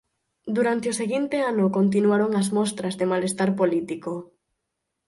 Durante o seguinte ano continuaron as mostras de malestar político.